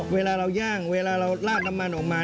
เวลาเราย่างเวลาเราลาดน้ำมันออกมา